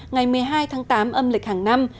ngày một mươi hai tháng tám âm lịch hàng năm